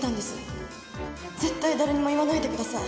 絶対誰にも言わないでください。